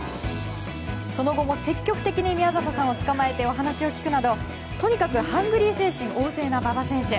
その後も積極的に宮里さんを捕まえてお話を聞くなど、とにかくハングリー精神旺盛な馬場選手。